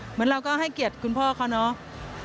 เหมือนเราก็ให้เกียรติคุณพ่อเขาเนาะ